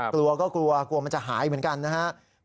กลัวก็กลัวกลัวมันจะหายเหมือนกันนะครับ